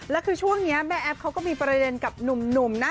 แล้วคือช่วงนี้แม่แอฟเขาก็มีประเด็นกับหนุ่มนะ